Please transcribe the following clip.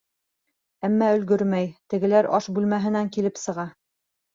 Әммә өлгөрмәй, тегеләр аш бүлмәһенән килеп сыға.